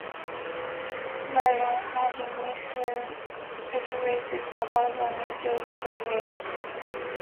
While on Haven, Mis speculates about the nature of the Mule.